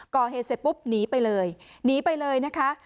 ก่อเหตุเสร็จปุ๊บหนีไปเลยหนีไปเลยนะคะ